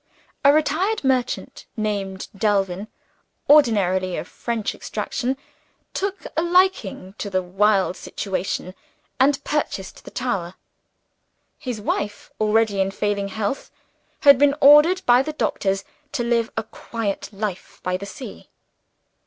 A retired merchant, named Delvin (originally of French extraction), took a liking to the wild situation, and purchased the tower. His wife already in failing health had been ordered by the doctors to live a quiet life by the sea.